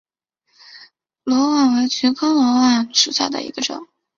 裸菀为菊科裸菀属下的一个种。